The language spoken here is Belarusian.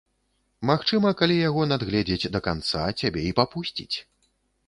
Магчыма, калі яго надгледзець да канца, цябе і папусціць.